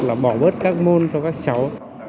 là bỏ bớt các môn cho các cháu